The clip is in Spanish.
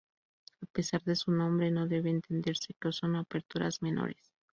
A pesar de su nombre no debe entenderse que son aperturas menores.